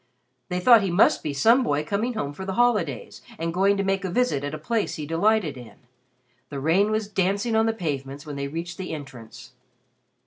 They thought he must be some boy coming home for the holidays and going to make a visit at a place he delighted in. The rain was dancing on the pavements when they reached the entrance.